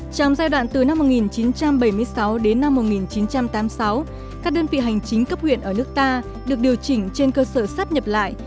trong giai đoạn từ năm một nghìn chín trăm bảy mươi sáu đến năm một nghìn chín trăm tám mươi sáu các đơn vị hành chính cấp huyện ở nước ta được điều chỉnh trên cơ sở sắp nhập lại